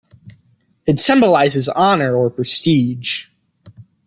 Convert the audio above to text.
It symbolizes honour or prestige.